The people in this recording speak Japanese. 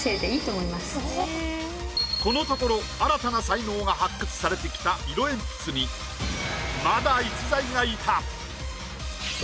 このところ新たな才能が発掘されてきた色鉛筆にまだ逸材がいた！